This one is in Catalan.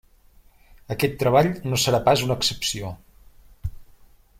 Aquest treball no serà pas una excepció.